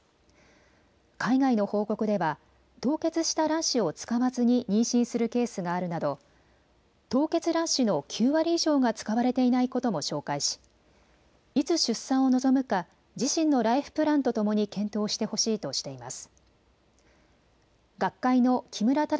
海外の報告では凍結した卵子を使わずに妊娠するケースがあるなど凍結卵子の９割以上が使われていないことも紹介しいつ出産を望むか自身のライフプランとともに検討してほしいとしています。